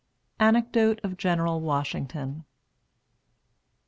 '" ANECDOTE OF GENERAL WASHINGTON.